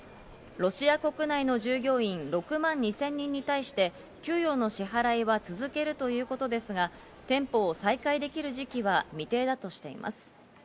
ロシア国内の従業員６万２０００人に対して、給与の支払いは続けるということですが、店舗を再開できる時期は未定だとしています。